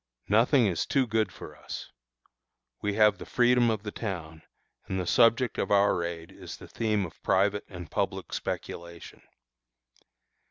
Nothing is too good for us. We have the freedom of the town, and the subject of our raid is the theme of private and public speculation.